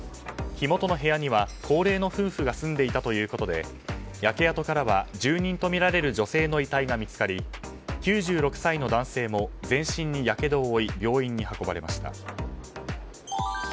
火元の部屋には高齢の夫婦が住んでいたということで焼け跡からは住人とみられる女性の遺体が見つかり９６歳の男性も全身にやけどを負い病院に運ばれました。